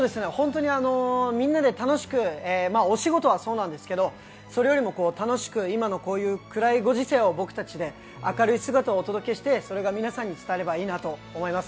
みんなで楽しく、お仕事はそうなんですけど、今の暗いご時世を僕たちで明るい姿をお届けして、それが皆さんに伝わればいいなと思います。